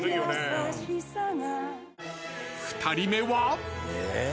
［２人目は？］